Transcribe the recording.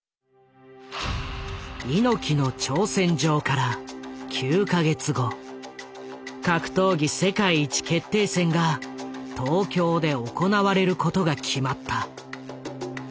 猪木の挑戦状から９か月後「格闘技世界一決定戦」が東京で行われることが決まった。